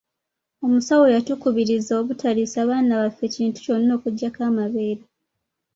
Omusawo yatukubiriza obutaliisa baana baffe kintu kyonna okuggyako amabeere.